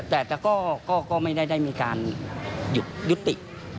แต่ว่าก็ไม่ได้มีการยุดติ